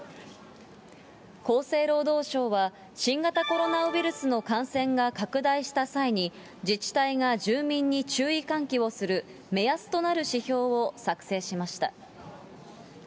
厚生労働省は新型コロナウイルスの感染が拡大した際に、自治体が住民に注意喚起をする目安となる指標を作成しました。